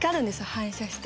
反射して。